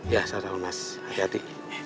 mas ada dong mas hati hati